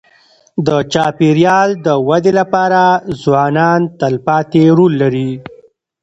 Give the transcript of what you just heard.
د چاپېریال د ودې لپاره ځوانان تلپاتې رول لري.